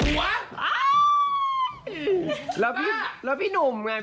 แล้วพี่หนุมไงหนุมกัชชัยบ้า